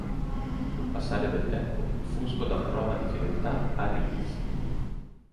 Col passare del tempo, Fusco dà prova di fedeltà a Reese.